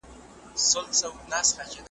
ستا خو به هېر یمه خو زه دي هېرولای نه سم `